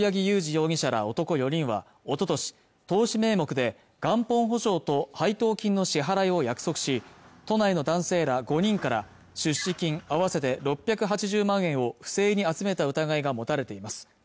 容疑者ら男４人はおととし投資名目で元本保証と配当金の支払いを約束し都内の男性ら５人から出資金合わせて６８０万円を不正に集めた疑いが持たれています